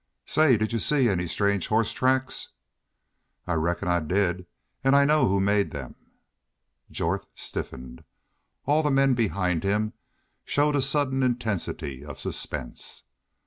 "Say, did you see any strange horse tracks?" "I reckon I did. And I know who made them." Jorth stiffened. All the men behind him showed a sudden intensity of suspense.